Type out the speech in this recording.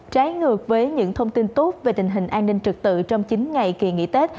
trái ngược với những thông tin tốt về tình hình an ninh trực tự trong chín ngày kỳ nghỉ tết